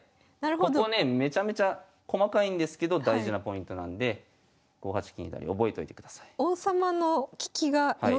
ここねめちゃめちゃ細かいんですけど大事なポイントなんで５八金左覚えといてください。